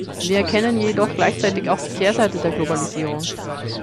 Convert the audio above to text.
Wir erkennen jedoch gleichzeitig auch die Kehrseite der Globalisierung.